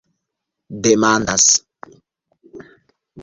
demandas